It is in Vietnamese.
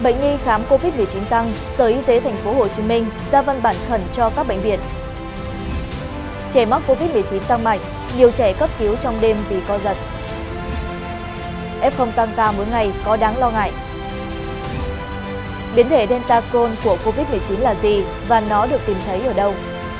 các bạn hãy đăng kí cho kênh lalaschool để không bỏ lỡ những video hấp dẫn